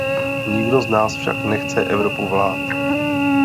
Nikdo z nás však nechce Evropu vlád.